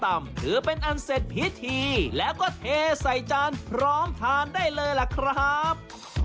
ถือเป็นอันเสร็จพิธีแล้วก็เทใส่จานพร้อมทานได้เลยล่ะครับ